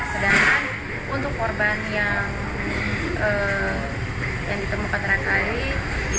sedangkan untuk korban yang ditemukan terakhir itu merupakan anak kandung dari pacarnya